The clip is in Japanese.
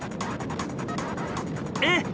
えっ！